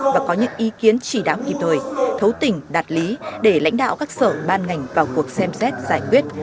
và có những ý kiến chỉ đáo kịp thời thấu tình đạt lý để lãnh đạo các sở ban ngành vào cuộc xem xét giải quyết